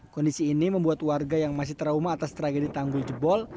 kondisi ini membuat warga yang masih trauma atas tragedi tanggul jebol